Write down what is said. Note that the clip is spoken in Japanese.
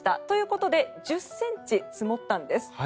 ということで１０ｃｍ積もったんです。